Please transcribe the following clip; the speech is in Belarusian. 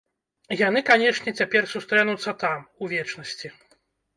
Яны, канешне, цяпер сустрэнуцца, там, у вечнасці.